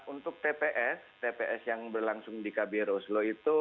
untuk tps tps yang berlangsung di kbr oslo itu